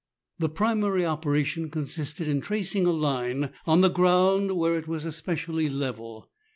The primary operation consisted in tracing a line on the ground where it was especially level.